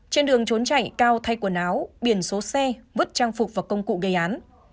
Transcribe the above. trên đường trốn chạy cao thay quần áo biển số xe vứt trang phục và công cụ gây án